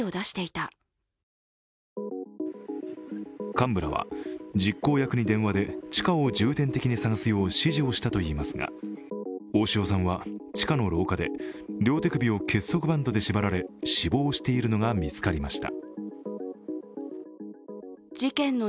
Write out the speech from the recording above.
幹部らは実行役に電話で地下を重点的に探すよう指示をしたといいますが、大塩さんは地下の廊下で両手首を結束バンドで縛られ死亡しているのが見つかりました。